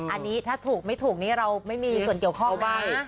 อันนี้ถ้าถูกไม่ถูกนี้เราไม่มีส่วนเกี่ยวข้องบ้าง